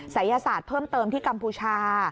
ศัยศาสตร์เพิ่มเติมที่กัมพูชา